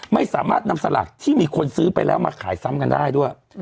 ไม่สามารถนำสลากที่มีคนซื้อไปแล้วมาขายซ้ำกันได้ด้วย